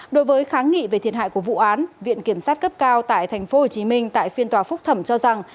đối với kháng nghị về thiệt hại của vụ án viện kiểm sát cấp cao tại tp hcm tại phiên tòa phúc thẩm cho rằng